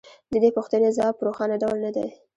د دې پوښتنې ځواب په روښانه ډول نه دی